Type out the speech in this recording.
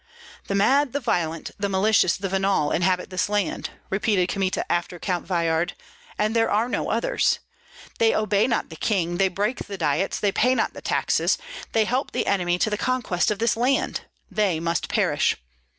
"The mad, the violent, the malicious, the venal, inhabit this land," repeated Kmita after Count Veyhard, "and there are no others! They obey not the king, they break the diets, they pay not the taxes, they help the enemy to the conquest of this land. They must perish.